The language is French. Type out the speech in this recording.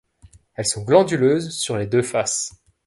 Elles sont glanduleuses sur les deux faces.